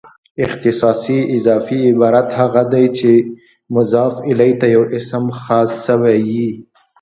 اختصاصي اضافي عبارت هغه دئ، چي مضاف الیه ته یو اسم خاص سوی يي.